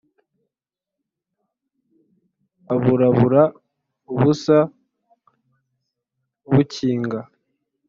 Aburabura ubusa bukinga